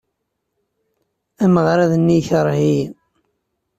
Ameɣrad-nni yekṛeh-iyi.